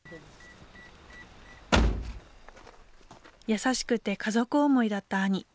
優しくて家族思いだった兄。